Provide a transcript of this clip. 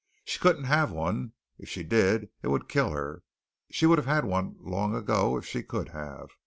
She couldn't have one. If she did, it would kill her. She would have had one long ago if she could have.